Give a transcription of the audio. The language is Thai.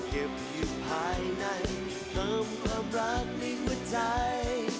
เก็บอยู่ภายในนั้นเติมความรักในหัวใจ